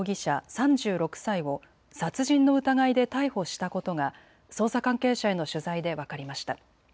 ３６歳を殺人の疑いで逮捕したことが捜査関係者への取材で分かりました。